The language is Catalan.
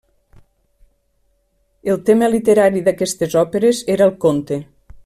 El tema literari d'aquestes òperes era el conte.